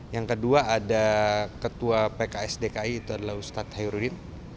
yang kedua ada ketua pks dki itu adalah ustadz hairudin